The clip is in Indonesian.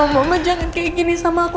mama jangan kayak gini sama aku